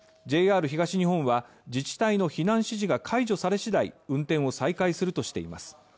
ＪＲ東日本は自治体の避難指示が解除され次第、運転を再開するとしています。